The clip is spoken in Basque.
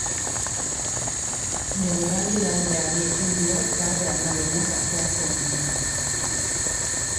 Denboraldiaurreari ekin dio talde armaginak asteazken honetan.